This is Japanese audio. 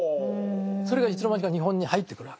それがいつの間にか日本に入ってくるわけです。